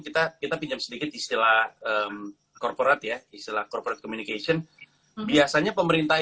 kita kita pinjam sedikit istilah korporat ya istilah corporate communication biasanya pemerintah